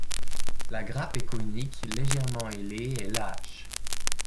La grappe est conique, légèrement ailée et lâche.